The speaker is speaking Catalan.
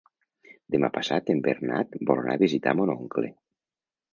Demà passat en Bernat vol anar a visitar mon oncle.